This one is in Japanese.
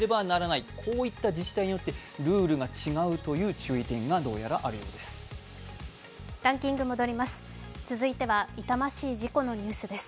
こういった、自治体によってルールが違うという注意点がどうやらあるようです。